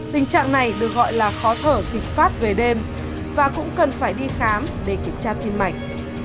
tình trạng này được gọi là khó thở kịch phát về đêm và cũng cần phải đi khám để kiểm tra tim mạch